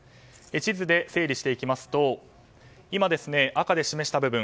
地図で整理していきますと今、赤で示した部分